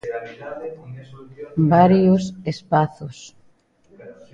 Varios espazos.